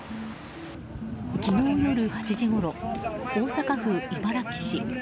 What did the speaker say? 昨日夜８時ごろ、大阪府茨木市。